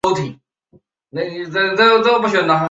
而这季光芒队的先发轮值表现相当抢眼。